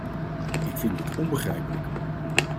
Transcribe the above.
Ik vind dit onbegrijpelijk.